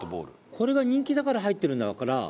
これが人気だから入ってるんだから。